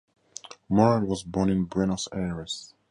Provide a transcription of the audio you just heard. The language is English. Morel was born in Buenos Aires.